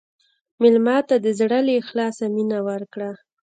مېلمه ته د زړه له اخلاصه مینه ورکړه.